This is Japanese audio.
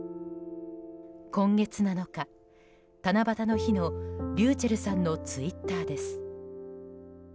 今月７日、七夕の日のｒｙｕｃｈｅｌｌさんのツイッターです。